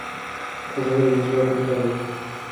تاسې ولې مسواک نه کاروئ؟